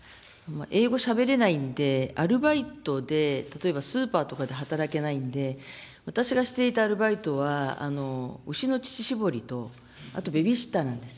英語しゃべれないんで、アルバイトで、例えばスーパーとかで働けないんで、私がしていたアルバイトは、牛の乳搾りと、あとベビーシッターなんです。